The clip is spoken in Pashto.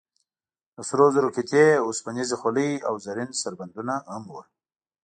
د سرو زرو قطعې، اوسپنیزې خولۍ او زرین سربندونه هم و.